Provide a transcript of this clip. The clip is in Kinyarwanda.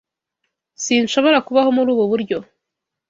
Sinshobora kubaho muri ubu buryo.